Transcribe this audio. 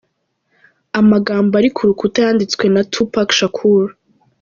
Amagambo ari kuruta yanditswe na Tupac Shakur.